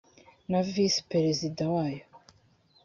na visi perezida wayo